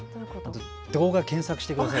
動画を検索してください。